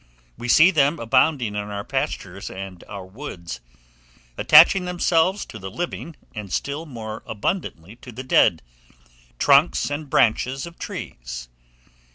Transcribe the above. We see them abounding in our pastures and our woods, attaching themselves to the living, and still more abundantly to the dead, trunks and branches of trees.